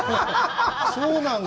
そうなんだ。